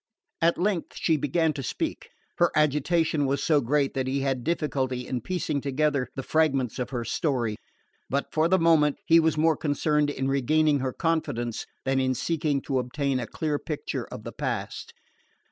At length she began to speak. Her agitation was so great that he had difficulty in piecing together the fragments of her story; but for the moment he was more concerned in regaining her confidence than in seeking to obtain a clear picture of the past.